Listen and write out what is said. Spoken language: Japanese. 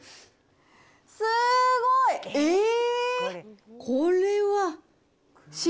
すごい、えー！